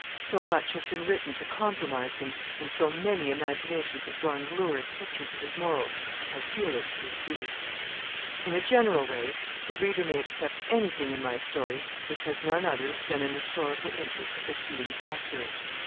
So much has been written to compromise him, and so many imaginations have drawn lurid pictures of his morals, I feel it his due. In a general way the reader may accept anything in my story which has none other than an historical interest as being accurate.